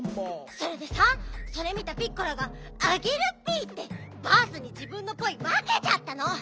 それでさそれ見たピッコラが「あげるッピ」ってバースにじぶんのパイわけちゃったの！